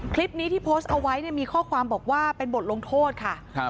คลิปนี้ที่โพสต์เอาไว้เนี่ยมีข้อความบอกว่าเป็นบทลงโทษค่ะ